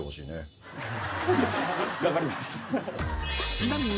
［ちなみに］